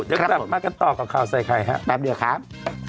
จะกลับมากันต่อกับข่าวใส่ใครครับแปปเดี๋ยวครับ